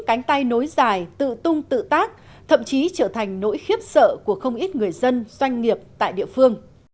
cánh tay nối dài tự tung tự tác thậm chí trở thành nỗi khiếp sợ của không ít người dân doanh nghiệp tại địa phương